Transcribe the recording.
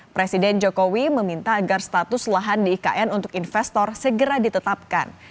presiden jokowi meminta agar status lahan di ikn untuk investor segera ditetapkan